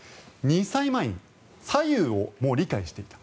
２歳前に左右をもう理解していた。